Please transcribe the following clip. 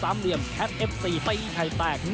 อันดับที่๓